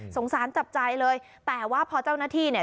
สารจับใจเลยแต่ว่าพอเจ้าหน้าที่เนี่ย